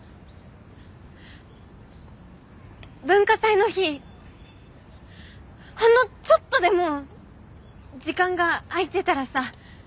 文化祭の日ほんのちょっとでも時間が空いてたらさ。